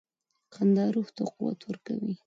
• خندا روح ته قوت ورکوي.